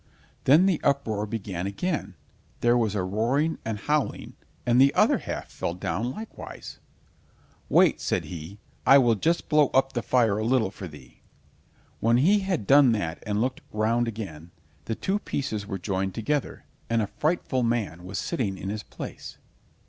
Then the uproar began again, there was a roaring and howling, and the other half fell down likewise. "Wait," said he, "I will just blow up the fire a little for thee." When he had done that and looked round again, the two pieces were joined together, and a frightful man was sitting in his place.